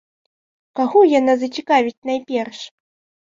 Каго яна зацікавіць найперш?